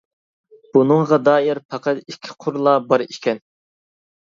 بۇنىڭغا دائىر پەقەت ئىككى قۇرلا بار ئىكەن.